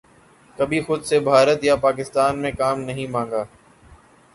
کبھی خود سے بھارت یا پاکستان میں کام نہیں مانگا